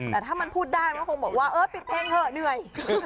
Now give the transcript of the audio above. แต่ถ้ามันพูดได้ก็คงบอกว่าเออปิดเพลงเถอะเหนื่อย